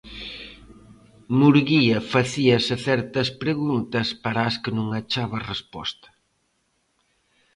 Murguía facíase certas preguntas para as que non achaba resposta.